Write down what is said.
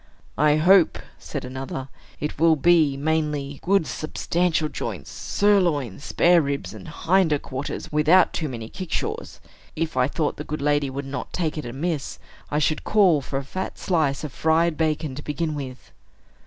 "I hope," said another, "it will be, mainly, good substantial joints, sirloins, spareribs, and hinder quarters, without too many kickshaws. If I thought the good lady would not take it amiss, I should call for a fat slice of fried bacon to begin with."